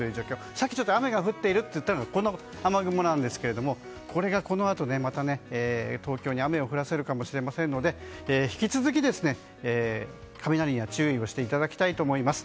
さっき雨が降っていると言ったのがこの雨雲なんですけどこれがこのあと東京に雨を降らせるかもしれませんので引き続き、雷には注意をしていただきたいと思います。